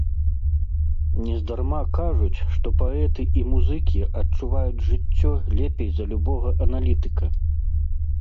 Нездарма кажуць, што паэты і музыкі адчуваюць жыццё лепей за любога аналітыка.